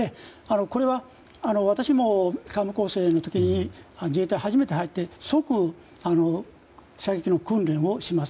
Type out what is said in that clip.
これは私も幹部候補生の時に自衛隊に初めて入って即射撃の訓練をします。